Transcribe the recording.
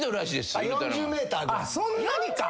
そんなにか。